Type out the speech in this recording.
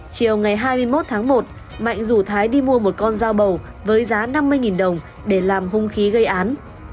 chiều ngày hai mươi một tháng một mạnh rủ thái đi mua một con dao bầu với giá năm mươi đồng để làm hung khí gây án